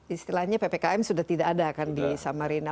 istilahnya ppkm sudah tidak ada kan di samarinda